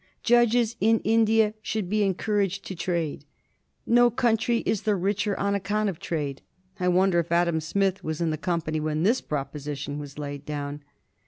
"Judges in India should be encouraged to trade." "No country is the richer on account of trade." (I wonder if Adam Smith was in the company when this proposition was laid down!)